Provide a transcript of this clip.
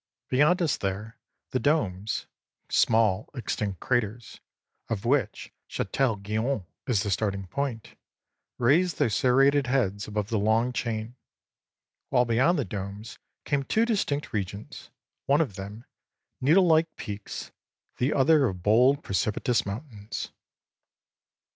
Beyond us there, the domes, small extinct craters of which Chatel Guyon is the starting point raised their serrated heads above the long chain; while beyond the domes came two distinct regions, one of them, needle like peaks, the other of bold, precipitous mountains.